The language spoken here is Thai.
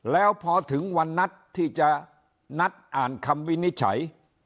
แล้วพอถึงวันนัดที่จะนัดอ่านคำวินิจฉัย